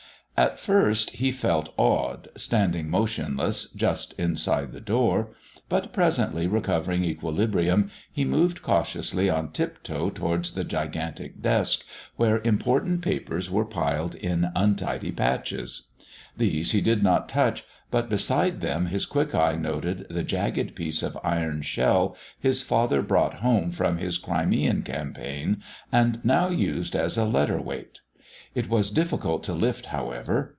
At first he felt awed, standing motionless just inside the door; but presently, recovering equilibrium, he moved cautiously on tiptoe towards the gigantic desk where important papers were piled in untidy patches. These he did not touch; but beside them his quick eye noted the jagged piece of iron shell his father brought home from his Crimean campaign and now used as a letter weight. It was difficult to lift, however.